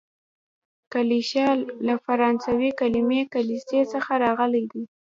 کلیشه له فرانسوي کليمې کلیسې څخه راغلې ده.